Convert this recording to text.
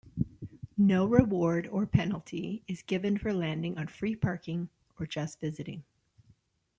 No reward or penalty is given for landing on Free Parking or Just Visiting.